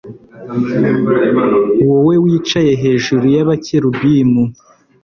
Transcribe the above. wowe wicaye hejuru y'abakerubimu